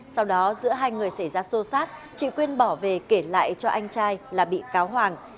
sau đó giữa hai người xảy ra xô xát chị quyên bỏ về kể lại cho anh trai là bị cáo hoàng